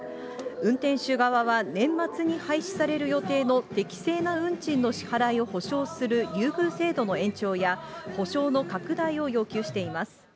運転手側は年末に廃止される予定の適正な運賃の支払いを保証する優遇制度の延長や保証の拡大を要求しています。